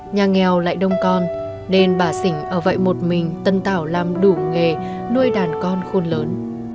nhà nghèo lại đông con nên bà xỉnh ở vậy một mình tân tạo làm đủ nghề nuôi đàn con khôn lớn